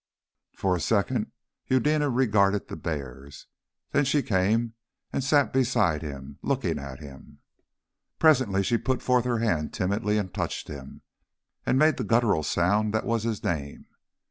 For a second Eudena regarded the bears, then she came and sat beside him, looking at him.... Presently she put forth her hand timidly and touched him, and made the guttural sound that was his name.